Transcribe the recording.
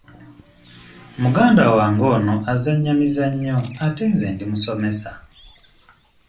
Muganda wange ono azannya mizannyo ate nze ndi musomesa.